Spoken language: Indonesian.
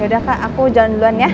yaudah kak aku jalan duluan ya